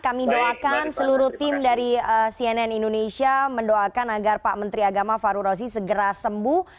kami doakan seluruh tim dari cnn indonesia mendoakan agar pak menteri agama faru rozi segera sembuh